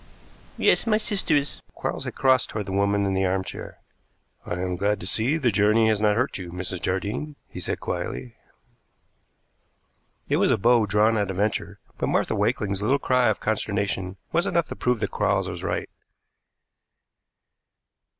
Yes, my sister is " Quarles had crossed toward the woman in the arm chair. "I am glad to see the journey has not hurt you, Mrs. Jardine," he said quietly. It was a bow drawn at a venture, but Martha Wakeling's little cry of consternation was enough to prove that Quarles was right.